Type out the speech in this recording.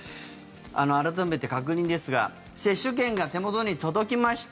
改めて確認ですが接種券が手元に届きました